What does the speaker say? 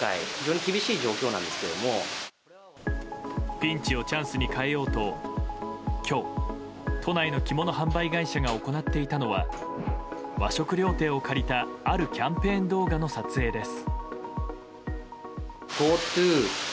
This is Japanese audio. ピンチをチャンスに変えようと今日、都内の着物販売会社が行っていたのは和食料亭を借りたあるキャンペーン動画の撮影です。